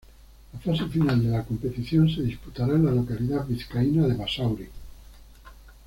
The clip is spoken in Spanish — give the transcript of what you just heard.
La fase final de la competición se disputará en la localidad vizcaína de Basauri.